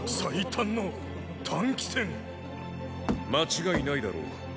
間違いないだろう。